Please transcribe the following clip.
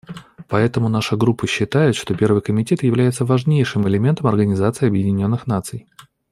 Поэтому наша Группа считает, что Первый комитет является важнейшим элементом Организации Объединенных Наций.